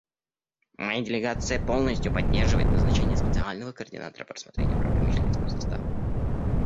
Моя делегация полностью поддерживает назначение специального координатора по рассмотрению проблемы членского состава.